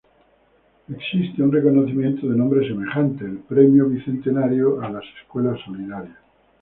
Existe un reconocimiento de nombre semejante: el Premio Bicentenario a las Escuelas Solidarias.